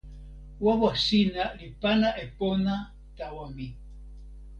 wawa sina li pana e pona tawa mi.